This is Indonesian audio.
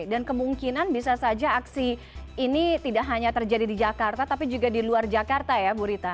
dan kemungkinan bisa saja aksi ini tidak hanya terjadi di jakarta tapi juga di luar jakarta ya bu rita